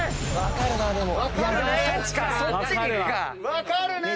分かるね。